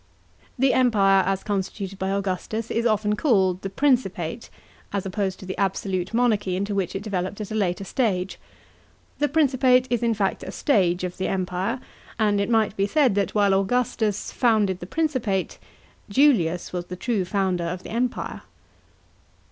The Empire as constituted by Augustus is often called the Principate, as opposed to the absolute monarchy into which it developed at a later stage, f The Principate is in fact a stage of the Empire; and it might be said that while Augustus founded the Principate, Julius was the true founder of the Empire.